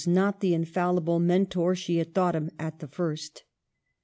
not the infallible Mentor she had thought him as" the first.